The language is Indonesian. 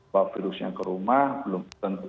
bawa virusnya ke rumah belum tentu